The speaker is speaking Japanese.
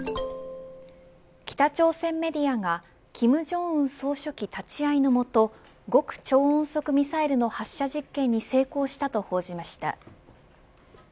北朝鮮メディアが金正恩総書記立ち会いのもと極超音速ミサイルの発射実験に成功したと報じました。